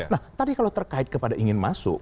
nah tadi kalau terkait kepada ingin masuk